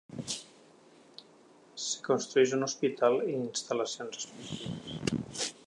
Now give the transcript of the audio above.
S'hi construeix un hospital i instal·lacions esportives.